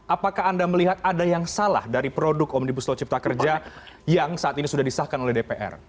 apakah anda melihat ada yang salah dari produk omnibus law cipta kerja yang saat ini sudah disahkan oleh dpr